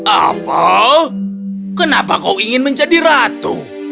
apa kenapa kau ingin menjadi ratu